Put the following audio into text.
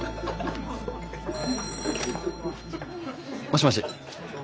☎もしもし。